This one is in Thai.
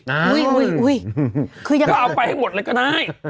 อ้าวอุ้ยอุ้ยก็เอาไปให้หมดเลยก็ได้